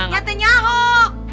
ya teh nyahok